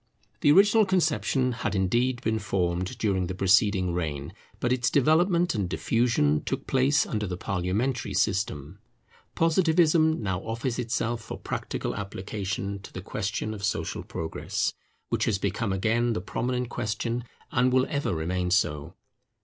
The original conception had indeed been formed during the preceding reign; but its development and diffusion took place under the parliamentary system. Positivism now offers itself for practical application to the question of social progress, which has become again the prominent question, and will ever remain so.